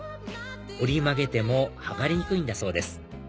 折り曲げても剥がれにくいんだそうです